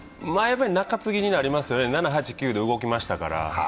中継ぎになりますよね、７、８、９で動きましたから。